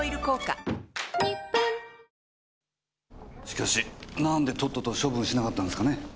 しかしなんでとっとと処分しなかったんですかね。